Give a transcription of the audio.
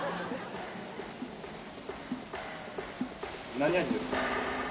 何味ですか？